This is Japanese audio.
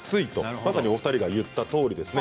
まさにお二人が言ったとおりですね。